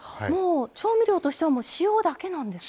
調味料としては塩だけなんですね。